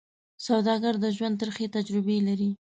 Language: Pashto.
سوالګر د ژوند ترخې تجربې لري